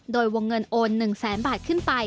โดยวงเงินโอน๑แสนบาทขึ้นไป